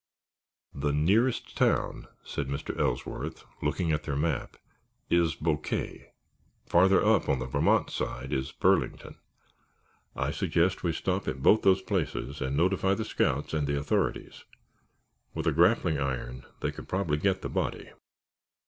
"The nearest town," said Mr. Ellsworth, looking at their map, "is Boquet. Farther up, on the Vermont side, is Burlington. I suggest that we stop at both those places and notify the scouts and the authorities. With a grappling iron they could probably get the body."